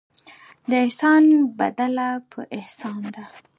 د احسان بدله په احسان ده.